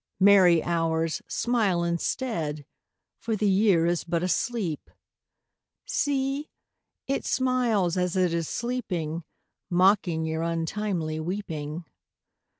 Merry Hours, smile instead, For the Year is but asleep. See, it smiles as it is sleeping, _5 Mocking your untimely weeping.